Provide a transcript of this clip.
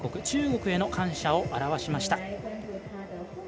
中国への感謝を表しました。